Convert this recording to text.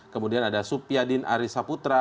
kemudian ada supyadin arisaputra